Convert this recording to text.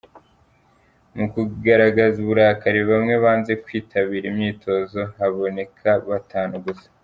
Mu kugaragaza uburakari, bamwe banze kwitabira imyitozo haboneka batanu gusa.